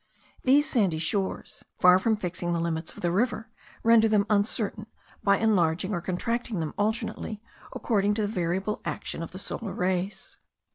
These sandy shores, far from fixing the limits of the river, render them uncertain, by enlarging or contracting them alternately, according to the variable action of the solar rays.